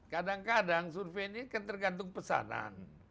kadang kadang survei ini kan tergantung pesanan